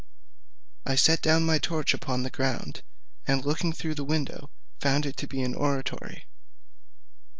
I set down my torch upon the ground, and looking through a window, found it to be an oratory.